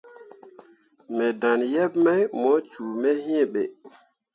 Me dan yeb mai mu cume iŋ be.